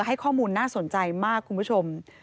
ให้ข้อมูลน่าสนใจมากคุณผู้ชม